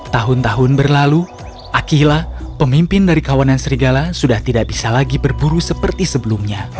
tahun tahun berlalu akilah pemimpin dari kawanan serigala sudah tidak bisa lagi berburu seperti sebelumnya